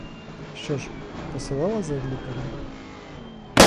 Що ж, посилала за лікарем?